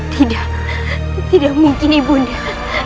tidak tidak mungkin ibunya